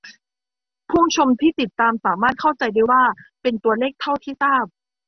ผู้ชมที่ติดตามสามารถเข้าใจได้ว่า เป็นตัวเลขเท่าที่ทราบ